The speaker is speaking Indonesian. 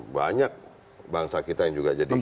banyak bangsa kita yang juga jadi